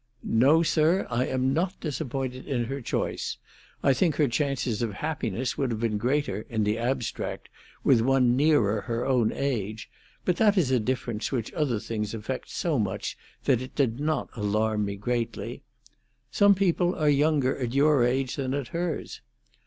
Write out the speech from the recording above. "No, sir, I am not disappointed in her choice. I think her chances of happiness would have been greater, in the abstract, with one nearer her own age; but that is a difference which other things affect so much that it did not alarm me greatly. Some people are younger at your age than at hers.